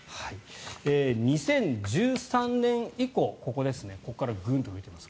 ２０１３年以降、ここからグンと伸びています。